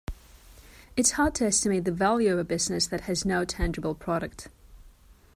It's hard to estimate the value of a business that has no tangible product.